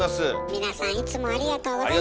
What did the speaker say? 皆さんいつもありがとうございます。